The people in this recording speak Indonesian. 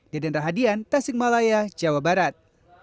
deden rahadian tasik malaya jawa barat